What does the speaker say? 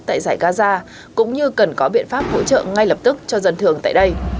tại giải gaza cũng như cần có biện pháp hỗ trợ ngay lập tức cho dân thường tại đây